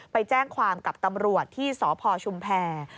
ไปแจ้งความกับตำรวจที่สพชุมแพร